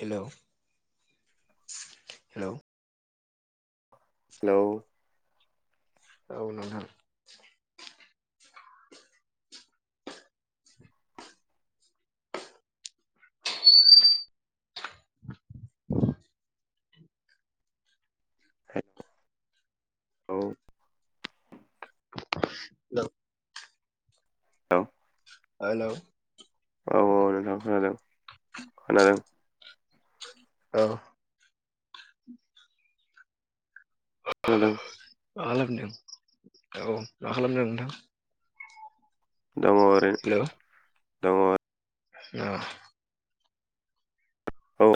Hello hello hello औ नोंथां [inaudible] हेल औ औे हेलौ औ औ नोंथां खोनादों खोनादों औ मा खोनादों खालामदों औ मा खालामदों नोंथां हेलौ औ औ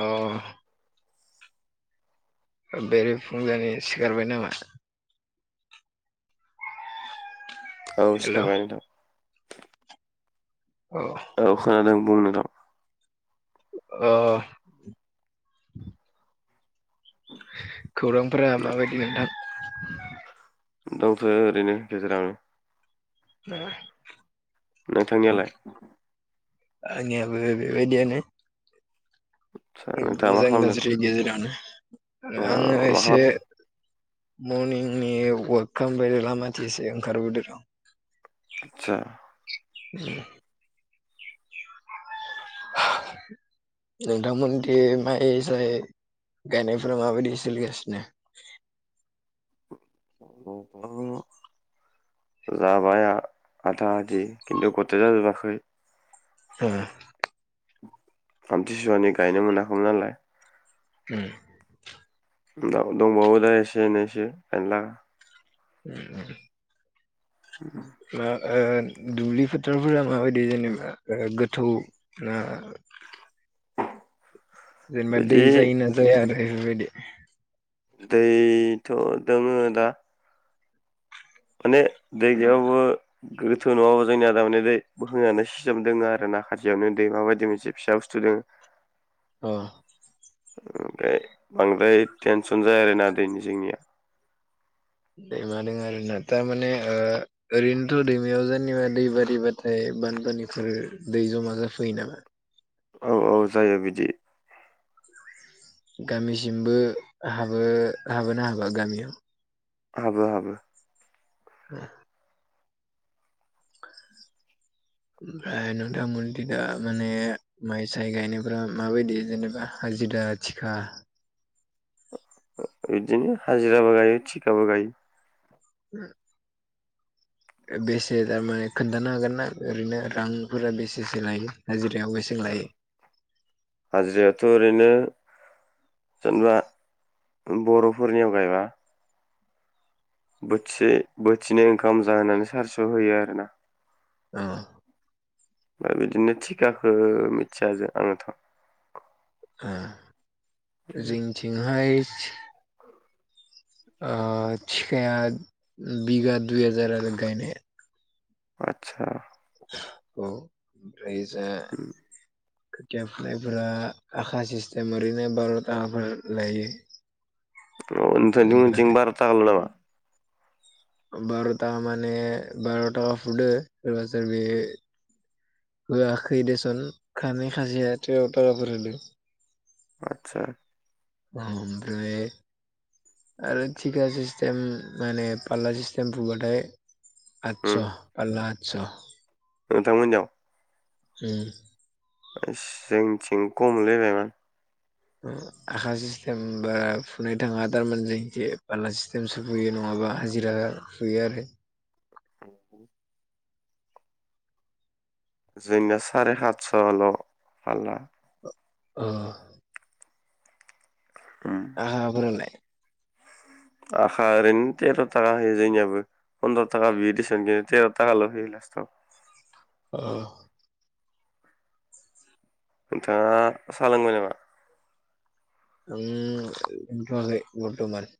अ बेरेफुंजानि सिखारबाय नामा औ हेलौ सिखारबाय नोंथां अ औ खोनादों बुं नोंथां अ खौरांफोरा माबायदि नोंथां दंथ'यो ओरैनो गेजेरावनो नोंथांनियालाय आंनियाबो बेबायदियानो आदसा नोंथाङा मा मोजां खालामदों गाज्रि गेजेरावनो औ आङो मा एसे खालाम मरनिंनि अवाक खामबाय लामाथि इसे ओंखार बोदो र' आतसा [inaudible] नोंथां मोनथिं माइ साय गायनाय फोरा माबायदि सोलिगासिनो [inaudible] अ जाबाय आथा आधि खिन्थु गटाय जाजोबाखै ओ आमथिसुवानि गायनो मोनाखैमोन नालाय उम दा दंबावो दा एसे एनैसो गायला उम उम [unintelligible] ओ ओ दुब्लि फोथारफोरा माबायदि जेनेबा ओ गोथौ ना [inaudible] जेनेबा दै बिदि जायोना जाया आरो बेफोरबायदि दैथ' दङो दा माने दै गैयाबो गोथौ नङाबो जोंनिया दा माने दै बोखांजानाय सिजोम दोङो आरो नाखाजियावनो दैमाबायदि मोनसे फिसा सुथुदों अ ओमफाय बांद्राय टेनसन जाया आरोना दैैनि जोंनिया दैमा दोङो आरोना तारमाने ओ ओरैनोथ' दैमायाव जे सोरनिबा दै बारिबाथाय बानफानिफोर दै जमा जाफैयो नामा औ औ जायो बिदि गामिसिमबो हाबो हाबोना हाबा गामियाव हाबो हाबो ओम [inaudible] ओमफ्राय नोंथा मोनथिं दा माने माइ साय गायनायफोया माबायदि जेनेबा हाजिरा आ थिखा बिदिनो हाजिराबो गायो थिखाबो गायो ओम बेसे थारमाने खोन्थानो हागोन ना ओरैनो रांफोरा बेसेसो लायो हाजिरा हाजिरायाथ' ओरैनो जेनेबा बर'फोरनि आव गायबा बोथिसे बोथिनै ओंखाम जाहोनानै सारिस' होयो आरोना अ ओमफ्राय बिदिनो थिखाखौ मिथिया जों आङोथ' आ जोंथिंहाय ओ थिखाया बिगा दुइ हाजार गायनाया आतसा औ ओजा खोथिया फुनायफोरा आखा सिस्टेम ओरैनो बार' थाखाफोर लायो अ ओमफ्राय नोथांमोनथिं बार'ताखाल' नामा बार'था माने बार' थाखा फुदो सोरबा सोरबे होयाखै देसन खामे खाजया तावथार फोर होदों आतसा ओमफ्राय आरो थिखा सिस्टेम माने पाल्ला सिस्टेम फुबाथाय आतच' उम पार्ला आतस' नोंथांमोननाव होम जोंथिं खमलै मायबा आखा सिस्टेम बारा फुनो थाङा थारमाने जोंसे बाला सिस्टेम सोफैयो नङाबा फुबा हाजिरा फुयो आरो औ औ जोंनिया साराय हातस'ल' फारला अ उम आखाफोरालाय आखा ओरैनो तेर' थाखा होयो जोंनियाबो पन्द्र' थाखा बियो देसन तेर' थाखाल' होयो लास्टाव अ नोंथाङा साहा लोंबाय नामा ओम लोंथ'याखै बरथ'मान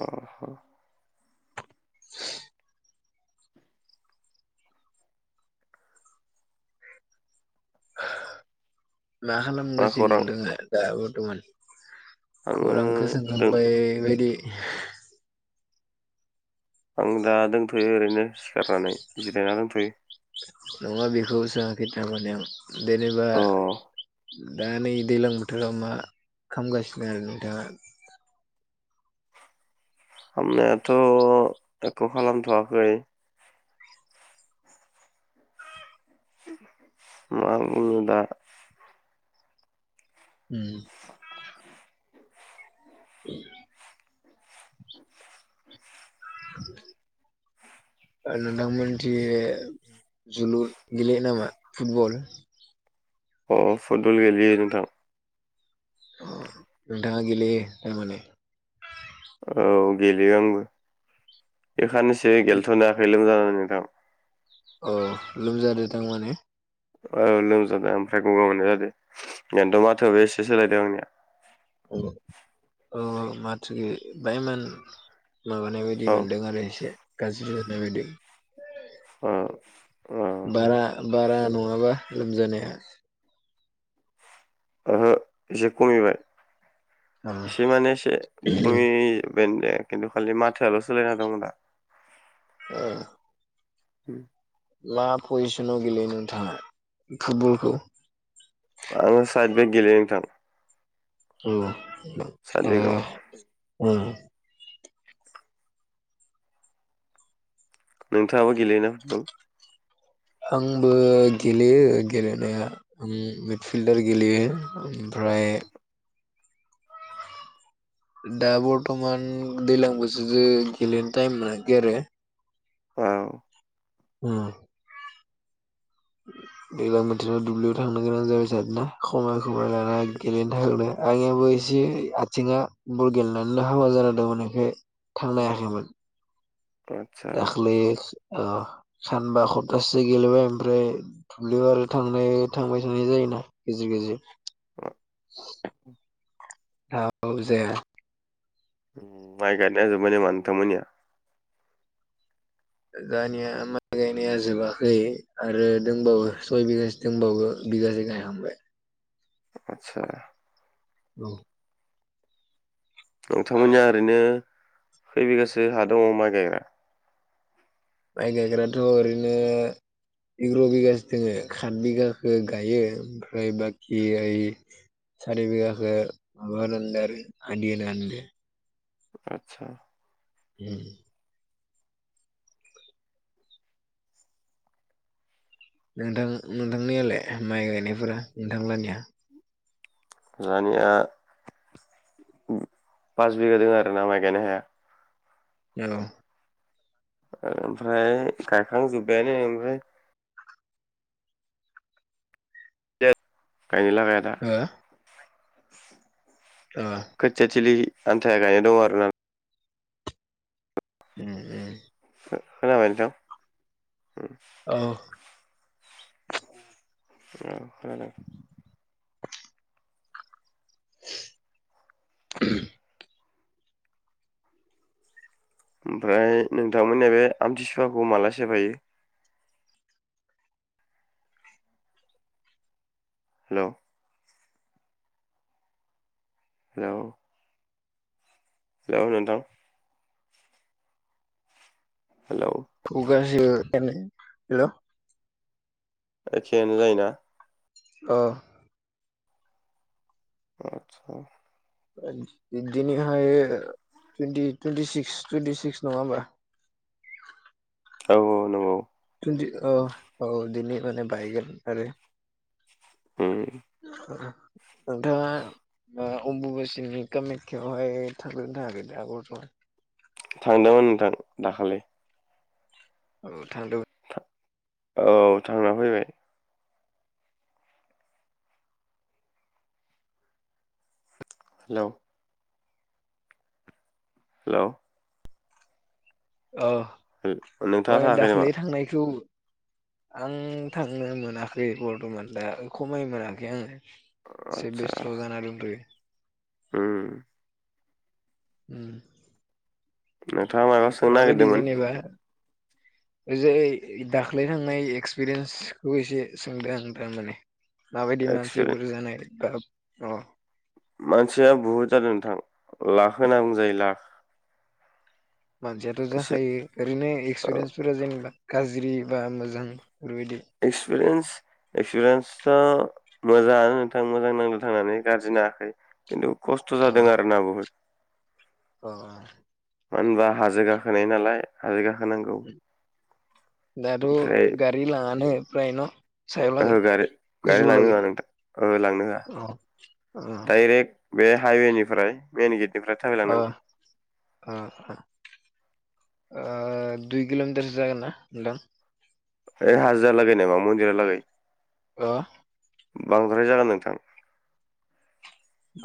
अ अ मा मा खालामगासिनो खौरां दङो दा बर्थमान आङो खौरांखौ दों सोंखांबाय बायदि आं दा दोंथ'यो ओरैनो सिखारनानै जिरायना दोंथ'यो नङा बेखौ सोङाखै थारमाने जेनेबा अ दा नै दैलां बोथोराव मा खालामगासिनो आरो नोंथाङा खालामनायाथ' एख' खालामथ'वाखै मा बुंनो दा उम औ आरो दां मोनथिं जोलुर गेले नामा फुटबल? अ फुटब'ल गेलेयो नोंथां। नोंथाङा गेले थारमाने। औ गेलेयो आंबो बेखनोसो गेलेथ'नो हाखै लोमजानानै। नोंथां अ लोमजादों थारमाने। औ लोमजादों ओमफ्राय गगाव मोननाय जादों आययाथ' माथो एसे सोलायदों आंनिया औ माथ बायमोन माबानाय बायदि औ मोनदों आरो एसे गाज्रि होनानाय बायदि अ औ बारा बारा नङाबा लोमजानाया? ओहो एसे खमिबाय ओ एसे माने एसे खमि। बेनो द खिन्थु खालि माथ्रायाल' सोलायना दं दा औ उम मा पजिसनाव गेलेयो नोंथाङा फुटबलखौ? बे गेलेनो नोंथां साइद अ बेकआव [unintelligible] नोंथाङाबो गेलेयोना फुटबल? आंबो गेलेयो गेलेनाया उम मिडफिल्डार गेलेयो। ओमफ्राय [inaudible] दा बरथमान दैज्लां बोसोर ज गेलेनो टाइम मोनाखै आरो औ उम दैज्लां बोथोराव दुब्लियाव थांनो गोनां जाबाय आरोना सम खौ लाना गेलेनो थाखायनो आंयाबो एसे आथिङा बल गेलेनानैनो हाबा जान जादोंमोन बेखाय थांनो हायाखैमोन आदसा दाख्लै अ सानबा सप्तासेसो गेलेबाय ओमफ्राय थुब्लियाव आरो थां थांबाय थानाय जायो [unintelligible] गेजेर गेजेर औ औ जाया माइ गायनाय जोब्बाय नामा नोंथां मोननिया? जाहानिया माइ गायनाया जोबाखै आरो दंबावो सय बिगासो दंबावो। बिगासे गाय हांबाय आतसा औ नोंथांमोननिया ओरैनो खै बिगासो हा दङ माइ गायग्रा? माइ गायग्राथ' ओरैनो इग्र' बिगासो दोङो खाथ बिगाखो गायो ओमफ्राय बाखि ओइ सारि बिघाखो माबादों आरो आदिय आदों आदसा उम नोंथां नोंथांनियालाय माइ गायनायफोरा नोंथांलानिया? आंनिया पास बिगा दङ आरोना माइ गायनो हाया [unintelligible] ओमफ्राय गायखांजोब्बायानो ओमफ्राय [unintelligible] हो अ खोथिया थिलि आन्थाया गायनाय दंङ आरो ना ओम ओम खोनाबाय नोंथां उम औ ओम खोनादों। [inaudible] ओमफ्राय नोंथांमोननि बे आमथिसुवाखौ माला सेफायो हेलौ हेलौ हेलौ नोंथां हेलौ फुगासिनो हेलौ [unintelligible] एखेयानो जायोना औ आदसा ओ दिनैहाय twenty twenty six twenty six नङा होमबा औ औ नोंगौ। टुन्टि औ औ दिनै माने बायगोन आरो। ओम नोंथांङा ओ अम्बुुबासिनि कामाख्याव हाय थांदों थांङाखै [unintelligible] थांदोंमोन नोंथां दाखालि औ थांदोंमोन औ थांना फैबाय हेलौ हेलौ [unintelligible] औ नोंथाङा ओमफाय थाङाखै नामा दाख्लै थांनायखौ आं थांनो मोनाखै बरथमान दा खमाय मोनाखै आङो। एसे बेस्त जा दंथयो ओम ओम औ [inaudible] माबायदि जेनबा ओजोयै दाख्लै थांनाय एक्सपिरियेन्सखौ एसे सोंदों आं थारमाने माबायदि एक्सपिरियेन्स मानसिफोर जानाय बा अ मानसिया बुहुद जादों नोंथां लाख होनना बुंजायो लाख मानसियाथ एसे जाखायो ओरैनो औ एक्सपिरियेन्सफोरा जेनेबा गाज्रि बा मोजां बेफोरबायदि एक्सपिरियेन्स एक्सपिरियेन्स सा मोजाङानो नोंथां मोजां नांदों थांनानै गाज्रिङाखै खिन्थु खस्थ अ जादों आरो ना बुहुद अ मानो होनबा हाजो गाखोनाय नालाय हाजो गाखोनांगौ दाथ ओमफ्राय गारि लाङानो प्राय न सायाव लागै ओहो गारि गारि गोजौआव लांनो लागै होआ नोंथां ओहो लांनो होआ अ अ डाइरेक्ट बे हाइवेनिफ्राय मेन गेट अ अ ओ दुइ किलमिटारसो जागोन ना नोंथां ओ हाजिरा लागै नामा मन्दिरा लागै हो बांद्राय जागोन नोंथां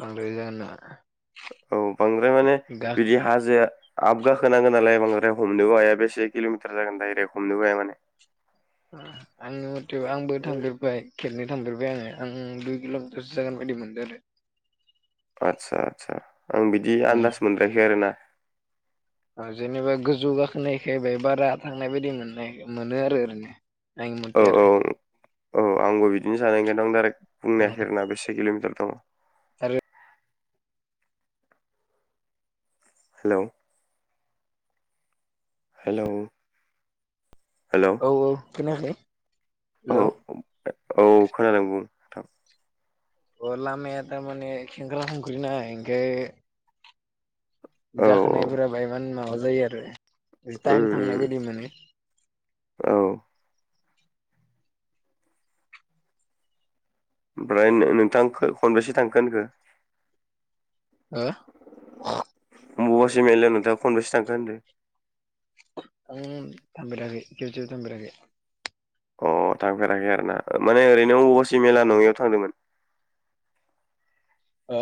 आरो जाना औ बांद्राय माने बिदि हाजोआ आबगाखोनांगोन नालाय बांद्राय हमनोबो हाया बेसे किल'मिटार जागोन दरेक्ट हमनोबो हाया माने आंनि मथे आंबो थांफेरबाय खेबनै थफेरबाय आङो आं दुइ किल'मिटारसो जागोन बायदि मोनदों आरो। आदसा आतसा आं बिदि आन्दास मोनद्रायाखै आरोना जेनेबा गोजौ गाखोनायखायबाय बारा थांनाय बायदि मोननाय मोनो आरो ओरैनो आंनि मथे औ आरो औ औ आंबो बिदिनो जानाय ओखायनो आं डाइरेक्ट बुंनोहायाखै आरोना बेसे किल'मिटार दङ आरो हेल' हेल' औ औ खोनायाखै औ हेल' औ खोनादों बुं नोंथां। अ लामाया थार माने सेंख्रा सख्रि ना इखाय औ औ गाखोनायफोराबा इमान माबा जायो आरो। टाइम थांनाय उम बायदि मोनो। औ ओमफ्राय नोंथां खनबेसे थांखो होनखो? हो [unintelligible] नोंथाङा खनबसे थांखो होनदों? आं थांफेराखै खनसेबो थांफेराखै। अ थांफेराखै आरो ना माने ओरैनो अमबासि मेला नङियाव थांदोंमोन? हो?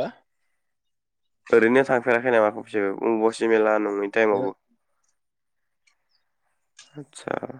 ओरैनो थांफेराखै नामा खनसेबो अमबसे मेला नङै ओ टाइमावबो? आतचा।